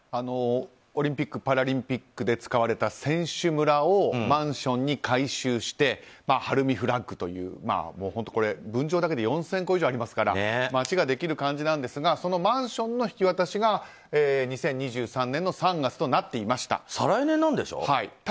オリンピック・パラリンピックで使われた選手村をマンションに改修してＨＡＲＵＭＩＦＬＡＧという分譲だけで４０００戸以上ありますから街ができる感じなんですがそのマンションの引き渡しが２０２３年３月となっていました。